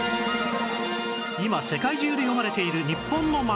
今世界中で読まれている日本の漫画